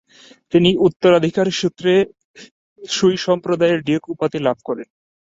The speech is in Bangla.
তিনি উত্তরাধিকারী সূত্রে সুই সম্প্রদায়ের ডিউক উপাধি লাভ করেন।